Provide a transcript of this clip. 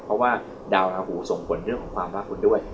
เพราะว่าดาวราหูส่งผลเรื่องของความรักคุณด้วย